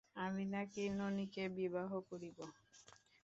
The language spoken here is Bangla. আমি ননিকে বিবাহ করিব।